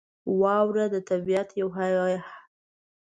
• واوره د طبعیت یو حیرانونکی نعمت دی.